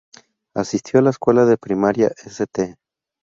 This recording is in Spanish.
Asistió a la escuela de primaria "St.